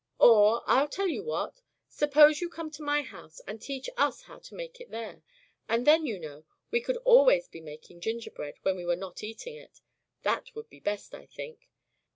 "Or, I'll tell you what. Suppose you come to my house, and teach us how to make it there; and then, you know, we could always be making gingerbread when we were not eating it. That would be best, I think.